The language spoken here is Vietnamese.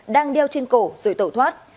đang đeo trên cổ rồi tẩu thoát